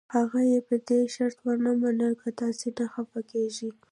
هغه یې په دې شرط ومنله که تاسي نه خفه کېږئ.